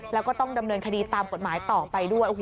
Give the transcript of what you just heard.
แล้วก็ต้องดำเนินคดีตามกฎหมายต่อไปด้วย